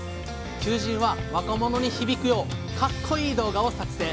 求人は若者に響くようカッコいい動画を作成。